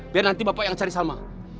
biar nanti bapak yang cari sama